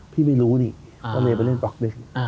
พี่ไม่รู้นี่ว่าเมย์ไปเล่นปลอกหนึ่ง